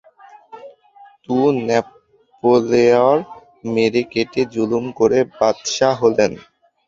তু-ন্যাপোলেঅঁর মেরে কেটে জুলুম করে বাদশা হলেন।